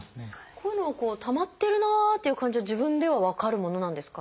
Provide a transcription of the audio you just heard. こういうのはこうたまってるなっていう感じは自分では分かるものなんですか？